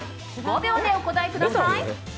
５秒でお答えください。